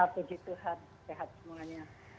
puji tuhan sehat semuanya